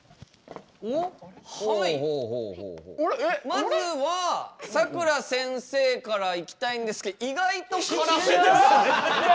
まずはさくら先生からいきたいんですけど意外と辛めですね。